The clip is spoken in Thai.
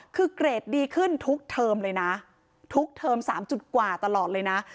คือเกรดดีขึ้นทุกเทอมเลยนะทุกเทอม๓จุดกว่าตลอดเลยนะ